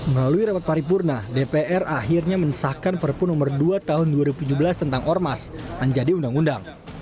melalui rapat paripurna dpr akhirnya mensahkan perpu nomor dua tahun dua ribu tujuh belas tentang ormas menjadi undang undang